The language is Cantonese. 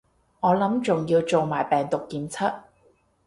我諗仲要做埋病毒檢測